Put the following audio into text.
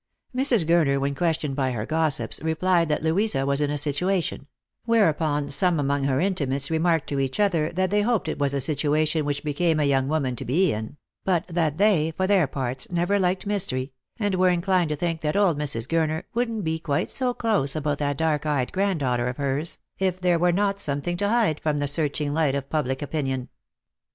Mrs. Gurner, when questioned by her gossips, replied that Louisa was in a situation; whereupon some among her inti mates remarked to each other that they hoped it was a situation which became a young woman to be in, but that they, for their parts, never liked mystery, and were inclined to think that old Mrs. Gurner wouldn't be quite so close about that dark eyed granddaughter of hers if there were not something to hide from the searching light of public opinion.